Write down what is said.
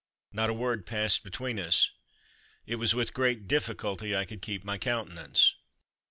Not a word passed between us. It was with great difficulty I could keep my countenance.